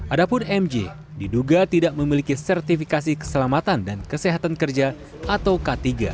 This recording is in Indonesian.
adapun mj diduga tidak memiliki sertifikasi keselamatan dan kesehatan kerja atau k tiga